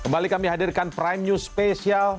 kembali kami hadirkan prime news spesial